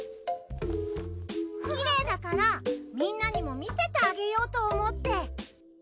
きれいだからみんなにも見せてあげようと思って。